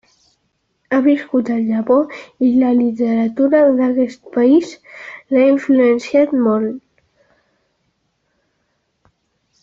Ha viscut al Japó, i la literatura d'aquest país l'ha influenciat molt.